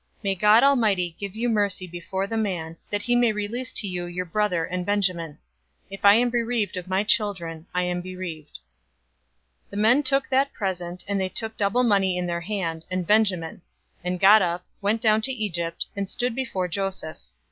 043:014 May God Almighty give you mercy before the man, that he may release to you your other brother and Benjamin. If I am bereaved of my children, I am bereaved." 043:015 The men took that present, and they took double money in their hand, and Benjamin; and got up, went down to Egypt, and stood before Joseph.